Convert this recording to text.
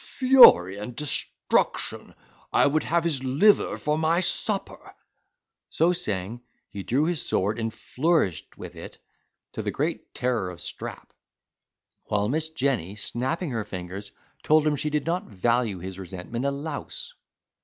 Fury and destruction! I would have his liver for my supper." So saying, he drew his sword and flourished with it, to the great terror of Strap; while Miss Jenny, snapping her fingers, told him she did not value his resentment a louse.